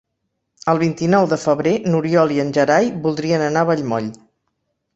El vint-i-nou de febrer n'Oriol i en Gerai voldrien anar a Vallmoll.